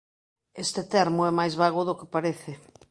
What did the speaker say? Este termo é máis vago do que parece.